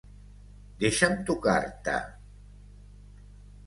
Deixa'm tocar-te!